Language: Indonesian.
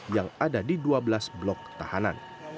yang ada di dua belas blok tahanan